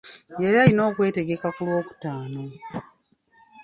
Yali alina okwetegeka ku lwokutaano.